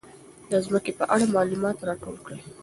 د ځمکې په اړه معلومات راټول کړئ.